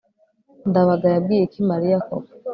ndabaga yabwiye iki mariya koko